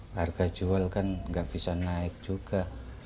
harga jual kan nggak bisa naik juga